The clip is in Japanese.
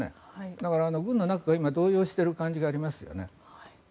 だから、軍の中が今、動揺している感じがありますよね。